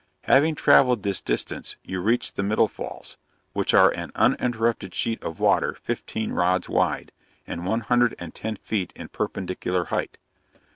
Having travelled this distance you reach the middle falls, which are an uninterrupted sheet of water fifteen rods wide, and one hundred and ten feet in perpendicular height.